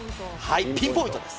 ピンポイントです。